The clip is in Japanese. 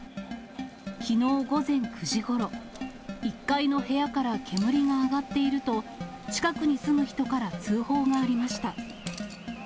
きのう午前９時ごろ、１階の部屋から煙が上がっていると、近くに住む人から通報がありました。